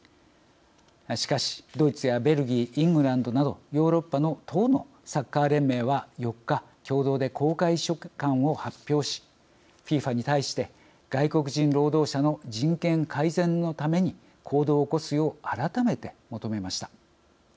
しかし、ドイツやベルギーイングランドなどヨーロッパの１０のサッカー連盟は４日、共同で公開書簡を発表しＦＩＦＡに対して外国人労働者の人権改善のために行動を起こすよう改めて求めました。